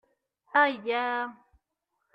Ayya!